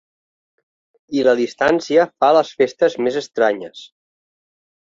I la distància fa les festes més estranyes.